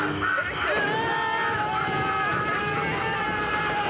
うわ！